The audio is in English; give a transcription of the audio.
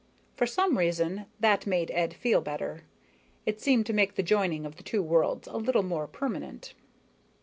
For some reason, that made Ed feel better, it seemed to make the joining of the two worlds a little more permanent.